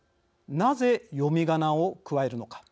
なぜ、読みがなを加えるのか。